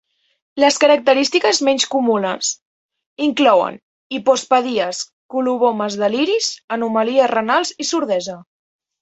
Les característiques menys comunes inclouen hipospadies, colobomes de l'iris, anomalies renals i sordesa.